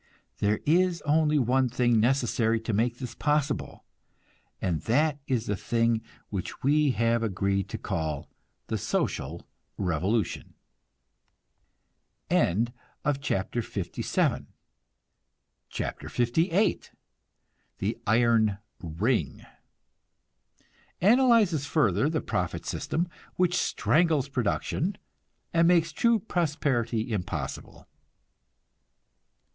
There is only one thing necessary to make this possible, and that is the thing which we have agreed to call the social revolution. CHAPTER LVIII THE IRON RING (Analyzes further the profit system, which strangles production, and makes true prosperity impossible.)